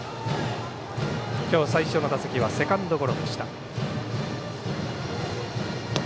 今日最初の打席はセカンドゴロでした。